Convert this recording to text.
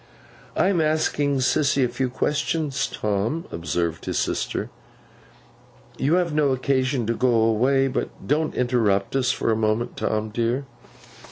'I am asking Sissy a few questions, Tom,' observed his sister. 'You have no occasion to go away; but don't interrupt us for a moment, Tom dear.